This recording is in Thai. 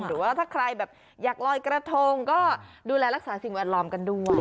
หรือว่าถ้าใครแบบอยากลอยกระทงก็ดูแลรักษาสิ่งแวดล้อมกันด้วย